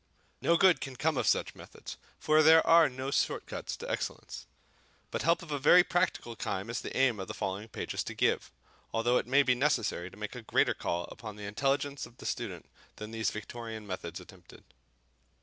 No good can come of such methods, for there are no short cuts to excellence. But help of a very practical kind it is the aim of the following pages to give; although it may be necessary to make a greater call upon the intelligence of the student than these Victorian methods attempted.